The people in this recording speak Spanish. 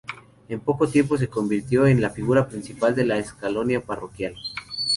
En poco tiempo se convirtió en la figura principal de la escolanía parroquial.